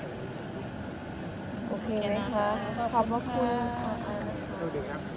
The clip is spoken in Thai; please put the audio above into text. โอเคมั้ยคะขอบคุณ